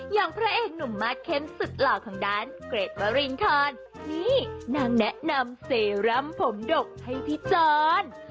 อย่างพระเอกหนุ่มมาสเข้มสุดหล่อของด้านเกรดวรินทรนี่นางแนะนำเซรั่มผมดกให้พี่จร